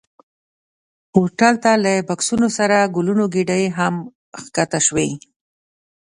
هوټل ته له بکسونو سره ګلونو ګېدۍ هم ښکته شوې.